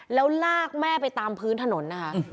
แล้วลากแม่ไปตามพื้นถนนนะคะ